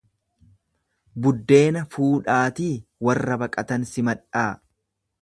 Buddeena fuudhaatii warra baqatan simadhaa.